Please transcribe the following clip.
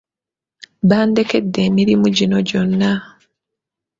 Bandekedde emirimu gino gyonna.